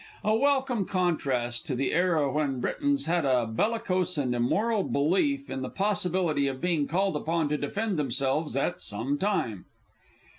A welcome contrast to the era when Britons had a bellicose and immoral belief in the possibility of being called upon to defend themselves at some time!